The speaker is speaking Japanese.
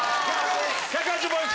１０８ポイント！